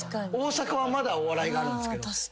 大阪はまだお笑いがあるんですけど。